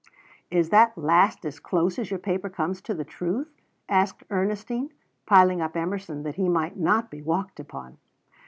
'" "Is that last as close as your paper comes to the truth?" asked Ernestine, piling up Emerson that he might not be walked upon.